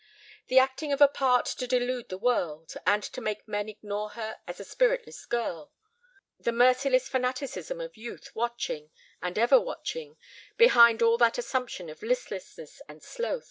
The acting of a part to delude the world, and to make men ignore her as a spiritless girl. The merciless fanaticism of youth watching, and ever watching, behind all that assumption of listlessness and sloth.